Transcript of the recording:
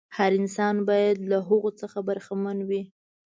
هر انسان باید له هغو څخه برخمن وي.